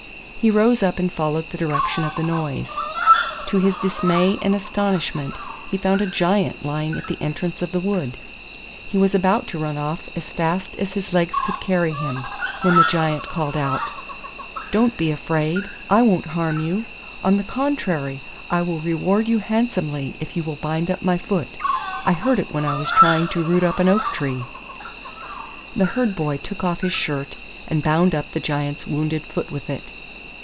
He rose up and followed the direction of the noise. To his dismay and astonishment he found a Giant lying at the entrance of the wood; he was about to run off as fast as his legs could carry him, when the Giant called out: 'Don't be afraid, I won't harm you. On the contrary, I will reward you handsomely if you will bind up my foot. I hurt it when I was trying to root up an oak tree.' The Herd boy took off his shirt, and bound up the Giant's wounded foot with it.